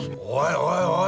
おいおい